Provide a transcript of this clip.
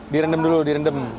direndam dulu direndam